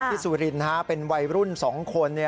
ที่สุรินธ์ฮะเป็นวัยรุ่น๒คน